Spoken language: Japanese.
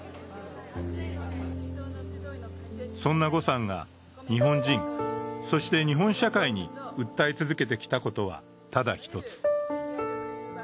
そんな呉さんが、日本人、そして日本社会に訴え続けてきたことは、ただ一つ。